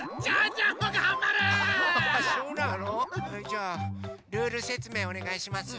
じゃあルールせつめいおねがいします。